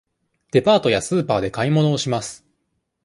デパートやスーパーで買い物をします。